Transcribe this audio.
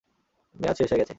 মেয়াদ শেষ হয়ে গেছে।